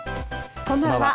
こんばんは。